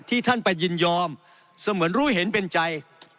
ท่านไปยินยอมเสมือนรู้เห็นเป็นใจ